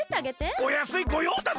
おやすいごようだぜ！